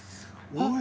おい！